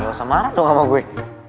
ya jangan marah dong sama gue